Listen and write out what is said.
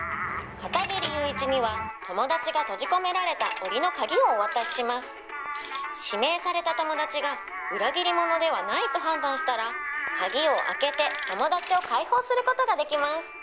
「片切友一には友達が閉じ込められた檻の鍵をお渡しします」「指名された友達が裏切り者ではないと判断したら鍵を開けて友達を解放する事ができます」